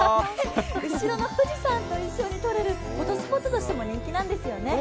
後ろの富士山と一緒に撮れるフォトスポットとしても人気なんですよね。